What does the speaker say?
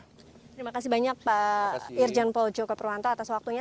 terima kasih banyak pak irjan poljo kapruwanta atas waktunya